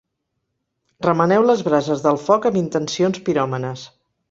Remeneu les brases del foc amb intencions piròmanes.